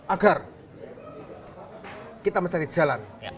agar kita mencari jalan